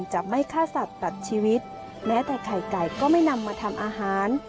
จะไม่ฆ่าสัตว์ตัดชีวิตแม้แต่ไข่ไก่ก็ไม่นำมาทำอาหาร